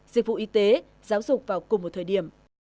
dịch vụ y tế giáo dục vào cùng một thời điểm